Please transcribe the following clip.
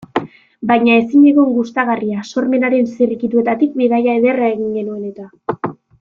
Baina ezinegon gustagarria, sormenaren zirrikituetatik bidaia ederra egin genuen eta.